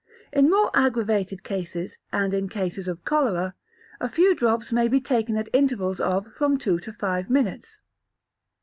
In more aggravated cases, and in cases of cholera, a few drops may be taken at intervals of from two to five minutes.